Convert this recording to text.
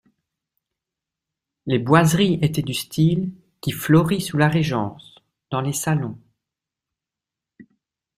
Les boiseries étaient du style qui florit sous la Régence, dans les salons.